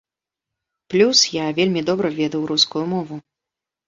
Плюс я вельмі добра ведаў рускую мову.